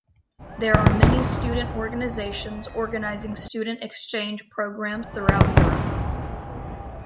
There are many student organisations organizing student exchange programmes throughout Europe.